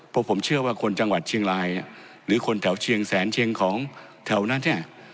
เพราะผมเชื่อว่าคนจังหวัดเชียงรายหรือคนแถวเชียงแสนเชียงของแถวนั้นเนี่ย